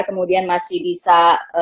kemudian masih bisa